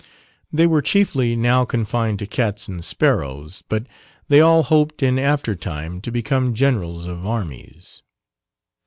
They were chiefly now confined to cats and sparrows, but they all hoped in after time to become generals of armies.